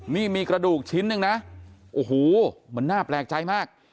นี่มีกระดูกชิ้นหนึ่งนะโอ้โหมันน่าแปลกใจมาก